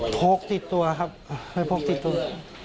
พกติดตัวครับ